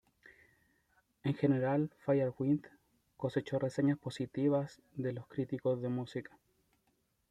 En general, "Fire Within" cosechó reseñas positivas de los críticos de música.